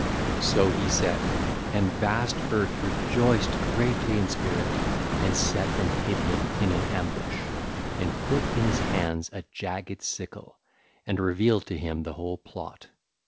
(ll. 173 175) So he said: and vast Earth rejoiced greatly in spirit, and set and hid him in an ambush, and put in his hands a jagged sickle, and revealed to him the whole plot.